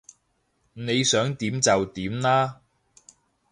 你想點就點啦